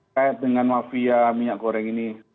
kait dengan mafia minyak goreng ini